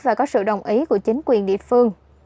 và có sự đồng ý của chính quyền địa phương